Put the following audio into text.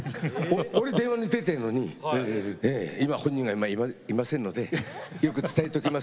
俺電話に出てるのに「今本人がいませんのでよく伝えときます」って。